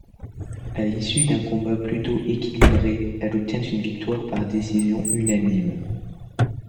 À l'issue d'un combat plutôt équilibré elle obtient une victoire par décision unanime.